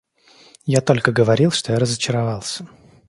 Я только говорил, что я разочаровался.